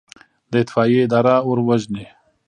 د اطفائیې اداره اور وژني